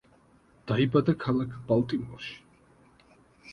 დაიბადა ქალაქ ბალტიმორში.